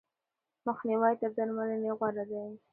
مخنیوی تر درملنې غوره دی.